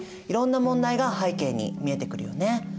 いろんな問題が背景に見えてくるよね。